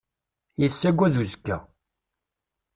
Yessaggad uzekka.